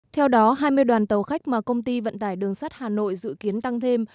theo đó hai mươi đoàn tàu khách mà công ty vận tải đường sắt hà nội dự kiến tăng thêm